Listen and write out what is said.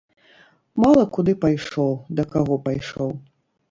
Мала куды пайшоў, да каго пайшоў.